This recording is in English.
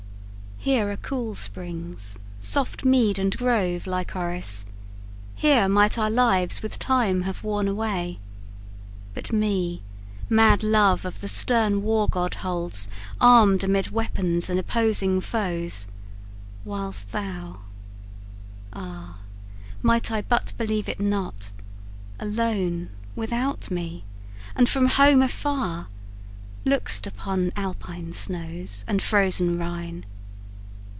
Here are cool springs, soft mead and grove, Lycoris; Here might our lives with time have worn away. But me mad love of the stern war god holds Armed amid weapons and opposing foes. Whilst thou Ah! might I but believe it not! Alone without me, and from home afar, Look'st upon Alpine snows and frozen Rhine.